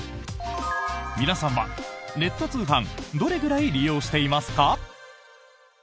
皆さんは、ネット通販どれぐらい利用していますか？